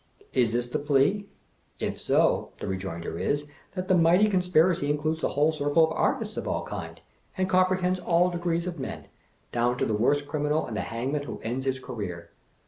Is this the plea? If so, the rejoinder is, that the mighty conspir acy includes the whole circle of Artists of all kinds, and comprehends all degrees of men, down to the worst criminal and the hangman who ends his career.